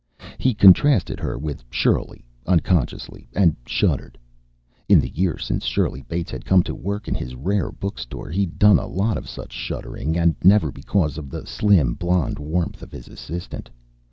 He contrasted her with Shirley unconsciously, and shuddered. In the year since Shirley Bates had come to work in his rare book store, he'd done a lot of such shuddering, and never because of the slim blonde warmth of his assistant.